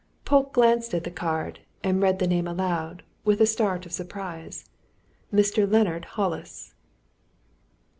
Polke glanced at the card, and read the name aloud, with a start of surprise: "Mr. Leonard Hollis!"